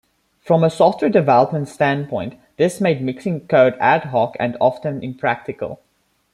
From a software development standpoint, this made mixing code ad hoc and often impractical.